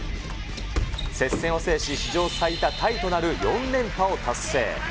接戦を制し、史上最多タイとなる４連覇を達成。